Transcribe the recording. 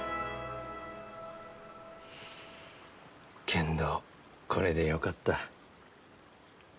けんどこれでよかった。